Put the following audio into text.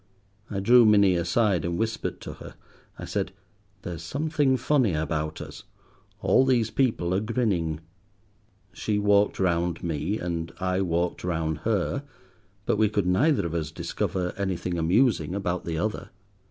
I drew Minnie aside, and whispered to her. I said— "There's something funny about us. All these people are grinning." She walked round me, and I walked round her, but we could neither of us discover anything amusing about the other.